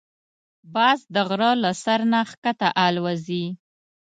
باز د غره له سر نه ښکته الوزي